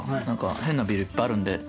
変なビールいっぱいあるんで。